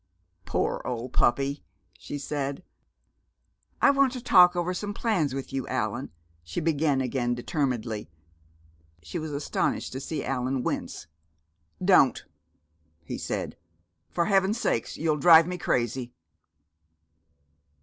"Poor old puppy," she said. "I want to talk over some plans with you, Allan," she began again determinedly. She was astonished to see Allan wince. "Don't!" he said, "for heaven's sake! You'll drive me crazy!"